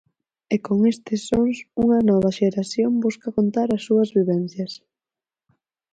E, con estes sons, unha nova xeración busca contar as súas vivencias.